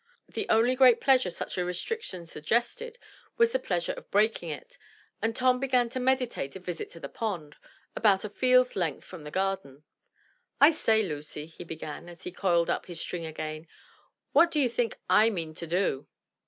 The only great pleasure such a restriction suggested was the pleasure of breaking it, and Tom began to meditate a visit to the pond, about a field's length from the garden. "I say, Lucy," he began, as he coiled up his string again, "what do you think I mean to do?"